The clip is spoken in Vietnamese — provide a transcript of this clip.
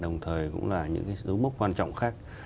đồng thời cũng là những dấu mốc quan trọng khác